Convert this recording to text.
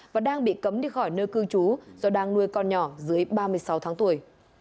và đang bị cấm đi khỏi nơi cư trú do đang nuôi con nhỏ dưới ba mươi sáu tháng tuổi